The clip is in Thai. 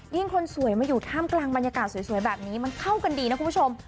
คนสวยมาอยู่ท่ามกลางบรรยากาศสวยแบบนี้มันเข้ากันดีนะคุณผู้ชม